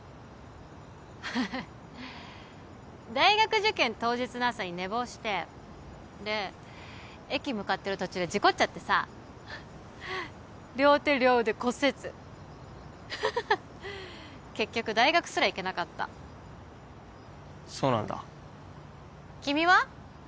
ハハッ大学受験当日の朝に寝坊してで駅向かってる途中で事故っちゃってさあ両手両腕骨折ハハハハ結局大学すら行けなかったそうなんだ君は？